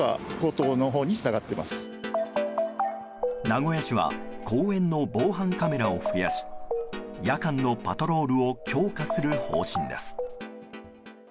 名古屋市は公園の防犯カメラを増やし夜間のパトロールを強化する方針です。